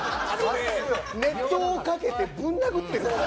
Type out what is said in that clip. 熱湯をかけてぶん殴ってる。